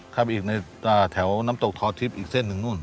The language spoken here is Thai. เข้าไปอีกในแถวน้ำตกทอทิพย์อีกเส้นหนึ่งนู่น